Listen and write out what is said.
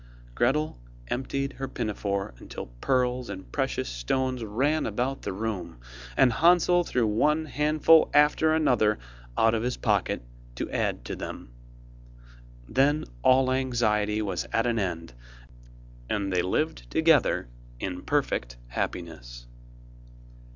Gretel emptied her pinafore until pearls and precious stones ran about the room, and Hansel threw one handful after another out of his pocket to add to them. Then all anxiety was at an end, and they lived together in perfect happiness.